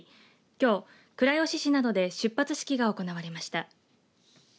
きょう倉吉市などで出発式が行われました。